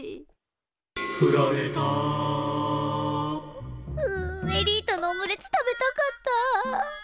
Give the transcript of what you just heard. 「フラれた」ううエリートのオムレツ食べたかった。